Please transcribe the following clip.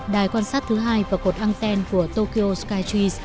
đài quan sát thứ hai và cột anten của tokyo skytries